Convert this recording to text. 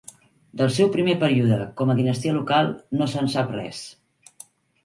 Del seu primer període com a dinastia local no se'n sap res.